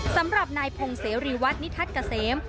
สำหรับนายพงเสรีวัตนิทัศน์เกษม